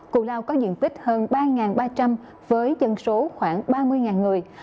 cụ lao có diện tích hơn ba ba trăm linh với dân số khoảng ba mươi người